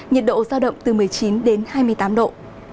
nhiệt độ giao động từ một mươi chín đến hai mươi tám độ